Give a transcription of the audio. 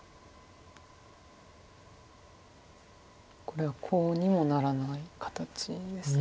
これはコウにもならない形です。